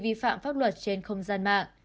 vi phạm pháp luật trên không gian mạng